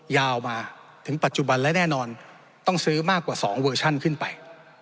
ยาวมาถึงปัจจุบันและแน่นอนต้องซื้อมากกว่า๒เวอร์ชั่นขึ้นไป